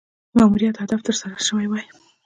ماموریت اهداف تر سره سوي وای.